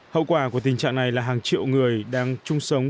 hậu quả của tình trạng này là hàng triệu người đang chung sống